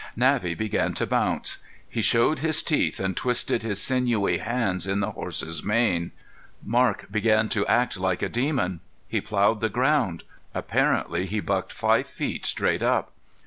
Navvy began to bounce. He showed his teeth and twisted his sinewy hands in the horse's mane. Marc began to act like a demon; he plowed the ground; apparently he bucked five feet straight up.